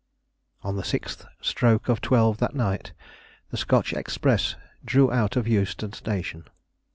On the sixth stroke of twelve that night the Scotch express drew out of Euston Station.